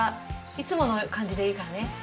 いつもの感じでいいからね。